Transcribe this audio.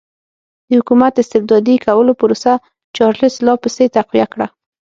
د حکومت استبدادي کولو پروسه چارلېس لا پسې تقویه کړه.